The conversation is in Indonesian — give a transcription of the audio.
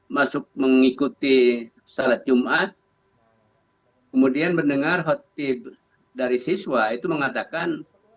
masuk mengikuti salat jumat kemudian mendengar khotib dari siswa itu mengatakan